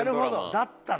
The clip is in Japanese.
だったら。